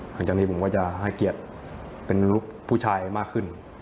หลังจากนี้ผมก็จะให้เกียรติเป็นลูกผู้ชายมากขึ้น